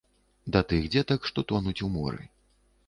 Да тых дзетак, што тонуць у моры.